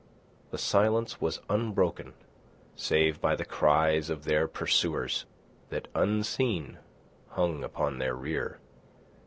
The silence was unbroken save by the cries of their pursuers, that, unseen, hung upon their rear.